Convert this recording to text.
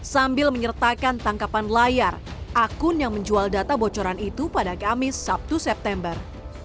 sambil menyertakan tangkapan layar akun yang menjual data bocoran itu pada kamis sabtu september